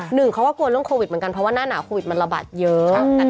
หนึ่งเขาก็กลัวเรื่องโควิดเหมือนกันเพราะว่าหน้าหนาวโควิดมันระบาดเยอะ